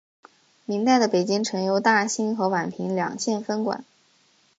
明代的北京城由大兴和宛平两县分管。